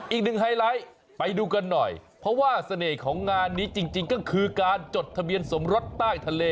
ไฮไลท์ไปดูกันหน่อยเพราะว่าเสน่ห์ของงานนี้จริงก็คือการจดทะเบียนสมรสใต้ทะเล